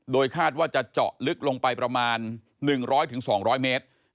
คาดว่าจะเจาะลึกลงไปประมาณ๑๐๐๒๐๐เมตร